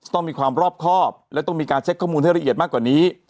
ต้องมีความรอบครอบและต้องมีการเช็คข้อมูลให้ละเอียดมากกว่านี้